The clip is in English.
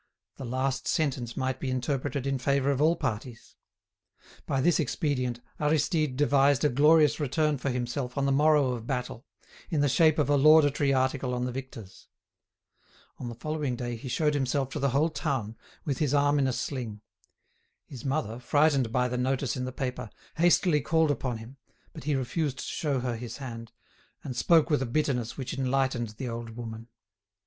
The last sentence might be interpreted in favour of all parties. By this expedient, Aristide devised a glorious return for himself on the morrow of battle, in the shape of a laudatory article on the victors. On the following day he showed himself to the whole town, with his arm in a sling. His mother, frightened by the notice in the paper, hastily called upon him, but he refused to show her his hand, and spoke with a bitterness which enlightened the old woman.